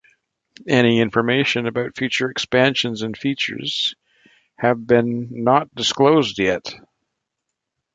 Any information about future expansions and features have been not disclosed yet.